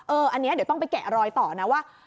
อันนี้เดี๋ยวต้องไปแกะรอยต่อนะว่า